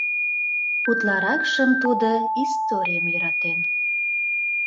Утларакшым тудо историйым йӧратен.